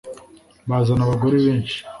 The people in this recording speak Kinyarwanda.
Bazana abagore benshi,